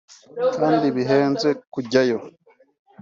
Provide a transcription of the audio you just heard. kandi bihenze kujyayo